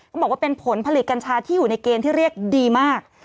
บอกว่าเป็นผลผลิตกัญชาที่อยู่ในเกณฑ์ที่เรียกดีมาก